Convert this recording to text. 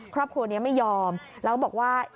ครอบครัวนี้ไม่ยอมแล้วบอกว่า